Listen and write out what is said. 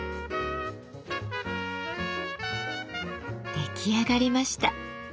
出来上がりました。